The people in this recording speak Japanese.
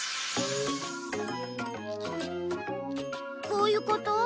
こういうこと？